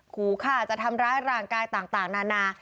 ขู่ฆ่าจะทำร้ายร่างกายต่างนานา